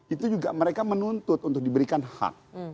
itu juga mereka menuntut untuk diberikan hak